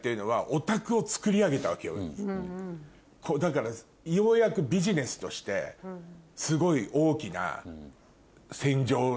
だからようやくビジネスとしてすごい大きな戦場に。